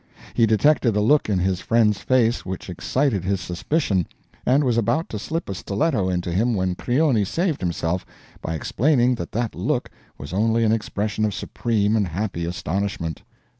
He detected a look in his friend's face which excited his suspicion, and was about to slip a stiletto into him when Crioni saved himself by explaining that that look was only an expression of supreme and happy astonishment.